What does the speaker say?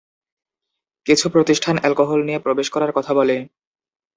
কিছু প্রতিষ্ঠান অ্যালকোহল নিয়ে প্রবেশ করার কথা বলে।